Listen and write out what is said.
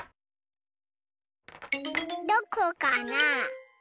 どこかな？